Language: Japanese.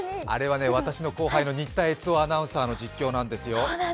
あれは私の後輩の新タ悦男アナウンサーの実況なんですよ。